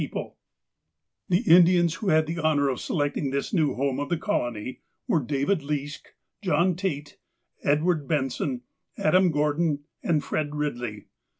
THE NEW HOME 291 The Indians who had the honour of selecting this new home of the colony, were David Leask, John Tait, Edward Benson, Adam Gordon, and Fred Eidley.